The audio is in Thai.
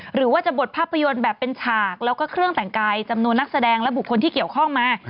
หรือว่าจะบทภาพยนตร์แบบเป็นฉากแล้วก็เครื่องแต่งกายจำนวนนักแสดงและบุคคลที่เกี่ยวข้องมา